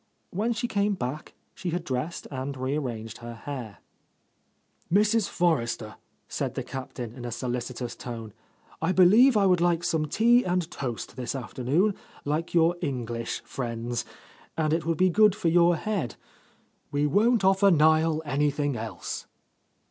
When she came back she had dressed and re arranged her hair. "Mrs. Forrester," said the Captain in a so licitous tone, "I believe I would like some tea and toast this afternoon, like your English friends, and it would be good for your head. We won't offer Niel anything else."